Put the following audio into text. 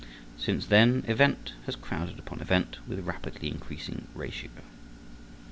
Since then event has crowded upon event with rapidly increasing ratio.